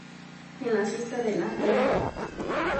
En la fiesta de la Dra.